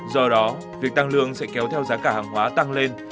do đó việc tăng lương sẽ kéo theo giá cả hàng hóa tăng lên